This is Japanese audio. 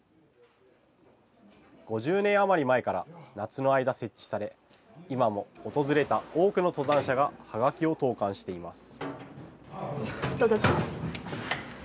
５０年余り前から夏の間設置され、今も訪れた多くの登山者がはがきを投かんしています。